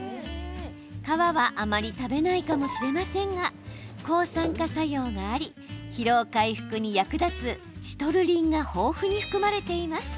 皮はあまり食べないかもしれませんが抗酸化作用があり疲労回復に役立つシトルリンが豊富に含まれています。